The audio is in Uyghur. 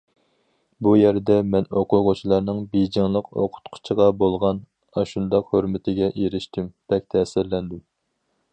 بۇ يەردە مەن ئوقۇغۇچىلارنىڭ بېيجىڭلىق ئوقۇتقۇچىغا بولغان ئاشۇنداق ھۆرمىتىگە ئېرىشتىم، بەك تەسىرلەندىم.